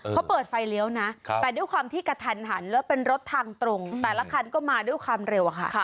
เขาเปิดไฟเลี้ยวนะแต่ด้วยความที่กระทันหันแล้วเป็นรถทางตรงแต่ละคันก็มาด้วยความเร็วอะค่ะ